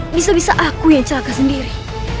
bisa bisa aku yang celaka sendiri